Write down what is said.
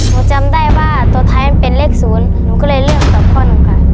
จำได้ว่าตัวท้ายมันเป็นเลข๐หนูก็เลยเลือกตอบข้อหนึ่งค่ะ